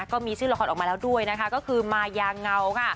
ก็มีชื่อละครออกมาแล้วด้วยนะคะก็คือมายาเงาค่ะ